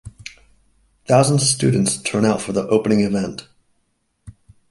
Thousands of students turn out for the opening event.